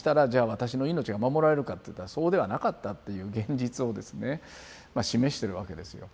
私の命が守られるかっていったらそうではなかったっていう現実をですね示してるわけですよ。